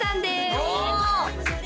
お！